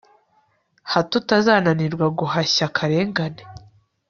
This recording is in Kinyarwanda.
hato utazananirwa guhashya akarengane